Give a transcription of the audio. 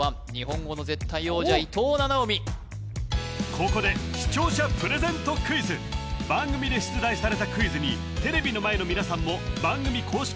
ここで難問を答えるのはここで番組で出題されたクイズにテレビの前の皆さんも番組公式